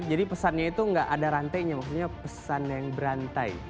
jadi pesannya itu gak ada rantainya maksudnya pesan yang berantai